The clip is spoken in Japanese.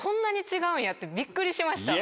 んやってびっくりしました。